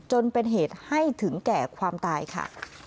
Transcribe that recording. จนเป็นเหตุให้ถึงแก่ความตายค่ะ